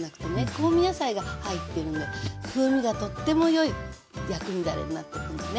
香味野菜が入ってるので風味がとってもよい薬味だれになってるのね。